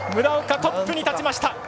村岡、トップに立ちました。